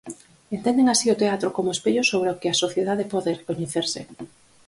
Entenden así o teatro como espello sobre o que a sociedade pode recoñecerse.